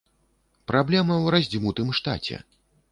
Праблема ў раздзьмутым штаце.